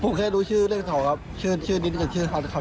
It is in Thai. ผมแค่รู้ชื่อเรื่องหนังครับชื่อนี่เป็นชื่อขันครับ